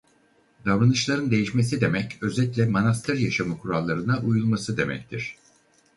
Davranışların değişmesi demek özetle manastır yaşamı kurallarına uyulması demektir.